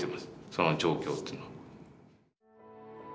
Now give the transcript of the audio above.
その状況というのは。